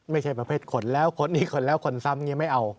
ไม่ใช่ประเภทคนแล้วคนนี้ขนแล้วคนซ้ำยังไม่เอา